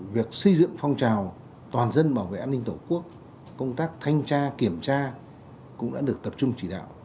việc xây dựng phong trào toàn dân bảo vệ an ninh tổ quốc công tác thanh tra kiểm tra cũng đã được tập trung chỉ đạo